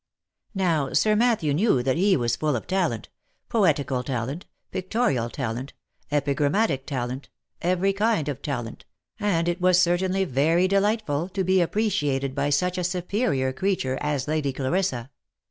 Now Sir Matthew knew that he was full of talent — poe 8 THE LIFE AND ADVENTURES tical talent, pictorial talent, epigrammatic talent, every kind of talent, and it was certainly very delightful to be appreciated by such a superior creature as Lady Clarissa.